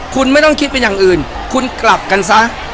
คุณไม่ต้องคิดเป็นอย่างอื่นคุณกลับกันซะ